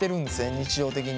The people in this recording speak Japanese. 日常的に。